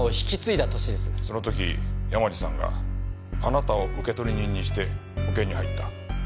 その時山路さんがあなたを受取人にして保険に入った。